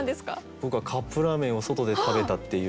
僕はカップラーメンを外で食べたっていう。